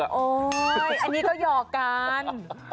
โอ๊ยอันนี้ก็หยอกกัน